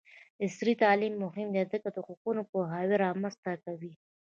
عصري تعلیم مهم دی ځکه چې د حقونو پوهاوی رامنځته کوي.